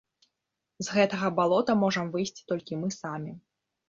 З гэтага балота можам выйсці толькі мы самі.